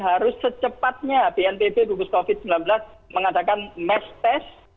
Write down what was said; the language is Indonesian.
harus secepatnya bnpb gugus covid sembilan belas mengadakan mass test